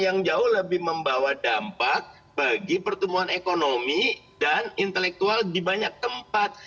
yang jauh lebih membawa dampak bagi pertumbuhan ekonomi dan intelektual di banyak tempat